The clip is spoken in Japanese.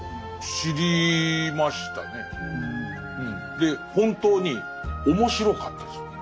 で本当に面白かったです。